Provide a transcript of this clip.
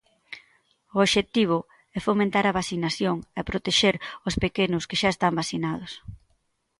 O obxectivo é fomentar a vacinación e protexer os pequenos que xa están vacinados.